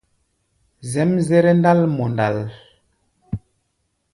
Zɛ́mzɛ́rɛ́ ndál mɔ ndǎl.